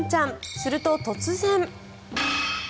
すると、突然。